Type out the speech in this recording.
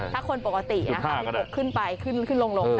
ถ้าคนปกติ๓๖ขึ้นไปขึ้นลง